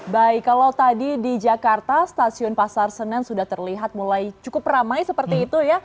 baik kalau tadi di jakarta stasiun pasar senen sudah terlihat mulai cukup ramai seperti itu ya